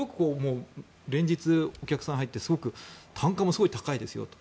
連日、お客さんが入ってすごく単価も高いですよと。